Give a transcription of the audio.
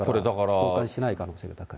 交換しない可能性が高い。